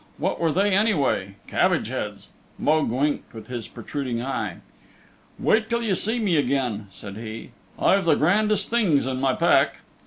What were they anyway? Cabbage heads!" Mogue winked with his protruding eye. "Wait till you see me again," said he. "I've the grandest things in my pack."